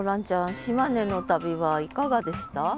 島根の旅はいかがでした？